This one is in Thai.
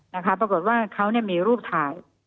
ปรากฏว่าเขาเนี่ยมีรูปถ่าย